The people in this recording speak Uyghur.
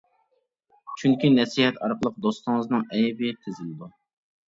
چۈنكى نەسىھەت ئارقىلىق دوستىڭىزنىڭ ئەيىبى تۈزۈلىدۇ.